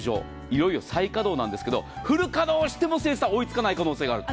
いよいよ再稼働なんですけどフル稼働しても生産が追いつかない可能性がある。